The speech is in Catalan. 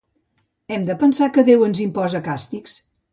Hem de pensar que Déu ens imposa càstigs.